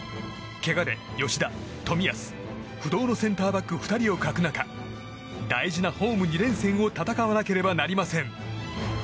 けがで吉田、冨安不動のセンターバック２人を欠く中大事なホーム２連戦を戦わなければなりません。